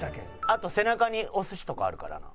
「あと背中にお寿司とかあるからな」